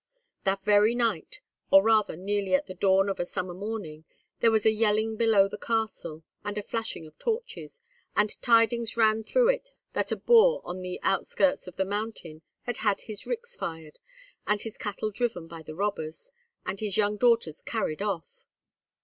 That very night, or rather nearly at the dawn of a summer morning, there was a yelling below the castle, and a flashing of torches, and tidings rang through it that a boor on the outskirts of the mountain had had his ricks fired and his cattle driven by the robbers, and his young daughters carried off.